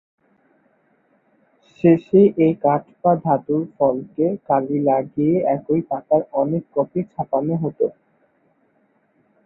শেষে এই কাঠ বা ধাতুর ফলকে কালি লাগিয়ে একই পাতার অনেক কপি ছাপানো হত।